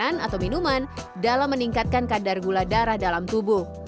makanan atau minuman dalam meningkatkan kadar gula darah dalam tubuh